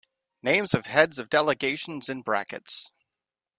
Names of heads of delegations in brackets.